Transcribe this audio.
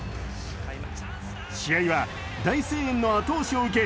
試合は大声援の後押しを受け